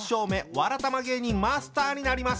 わらたま芸人マスターになります。